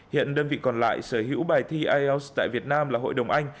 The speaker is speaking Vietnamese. hiện đơn vị còn lại sở hữu bài thi ielts tại việt nam là hội đồng anh